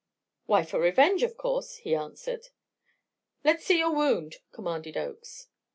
"Why, for revenge, of course," he answered. "Let's see your wound," commanded Oakes.